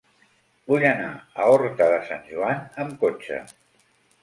Vull anar a Horta de Sant Joan amb cotxe.